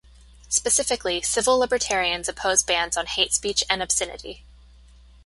Specifically, civil libertarians oppose bans on hate speech and obscenity.